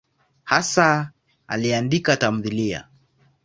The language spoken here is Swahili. Hasa aliandika tamthiliya.